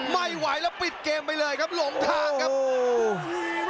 ไม่ไหวแล้วปิดเกมไปเลยครับหลงทางครับโอ้โห